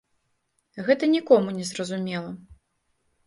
Гэта нікому не зразумела.